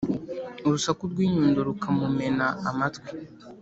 urusaku rw’inyundo rukamumena amatwi,